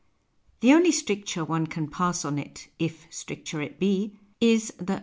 The only stricture one can pass on it, if stricture it be, is that M.